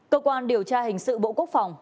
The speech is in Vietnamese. cơ quan điều tra hình sự bộ quốc phòng